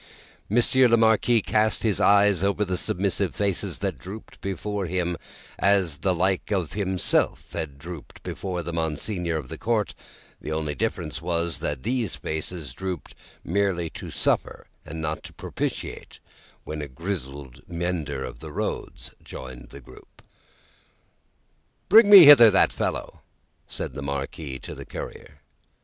Monsieur the Marquis cast his eyes over the submissive faces that drooped before him, as the like of himself had drooped before Monseigneur of the Court only the difference was, that these faces drooped merely to suffer and not to propitiate when a grizzled mender of the roads joined the group. "Bring me hither that fellow!" said the Marquis to the courier.